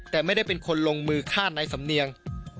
แต่ไม่ได้เป็นคนลงมือฆ่านายสำเนียง